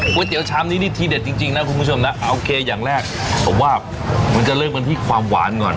ก๋วยเตี๋ยวช้านี่ถิเดจจริงจริงนะคุณผู้ชมนะอัลเคยังแรกผมว่ามันจะเลิกกันที่ความหวานก่อน